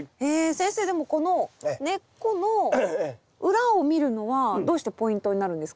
先生でもこの根っこの裏を見るのはどうしてポイントになるんですか？